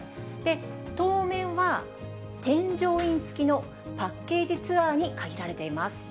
当面は添乗員付きのパッケージツアーに限られています。